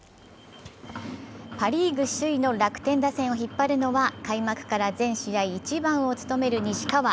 パ・リーグ首位の楽天打線を引っ張るのは開幕から全試合１番を務める西川。